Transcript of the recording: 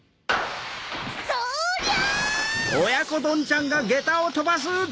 そりゃ！